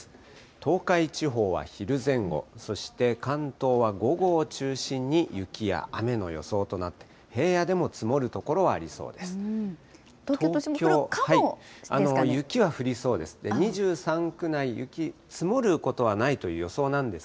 東海地方は昼前後、そして関東は午後を中心に雪や雨の予想となって、平野でも積もる所はありそう東京都心も降るかもしれない雪は降りそうです。